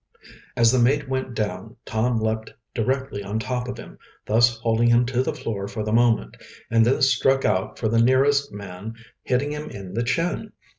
As the mate went down Tom leaped directly on top of him, thus holding him to the floor for the moment, and then struck out for the nearest man, hitting him in the chin.